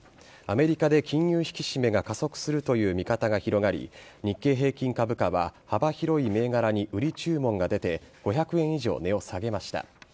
アメリカで金融引き締めが加速するという見方が広がり日経平均株価は幅広い銘柄に売り注文が出て５００円以上、値を下げました。